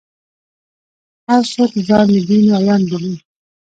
هر څوک ځان د دین ویاند بولي.